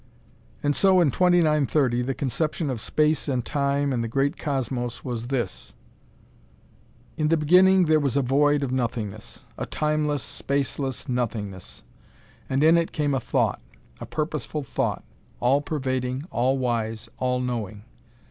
And so, in 2930, the conception of Space and Time and the Great Cosmos was this: In the Beginning there was a void of Nothingness. A Timeless, Spaceless Nothingness. And in it came a Thought. A purposeful Thought all pervading, all wise, all knowing.